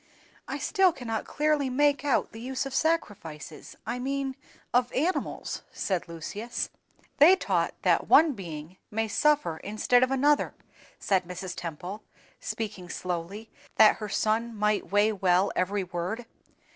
"I still cannot clearly make out the use of sacrifices—I mean of animals," said Lucius. "They taught that one being may suffer instead of another," replied Mrs. Temple, speaking slowly, that her son might weigh well every word.